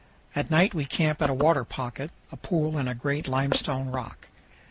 At night we camp at a water pocket, a pool in a great limestone rock.